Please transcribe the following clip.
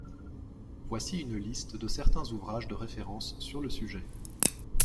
Voici une liste de certains ouvrages de référence sur le sujet.